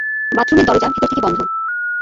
বাথরুমের দরজা ভেতর থেকে বন্ধ।